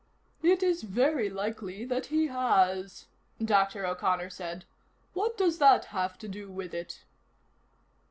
"It is very likely that he has," O'Connor said. "What does that have to do with it?"